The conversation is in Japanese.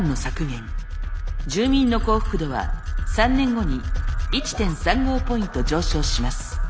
住民の幸福度は３年後に１．３５ポイント上昇します。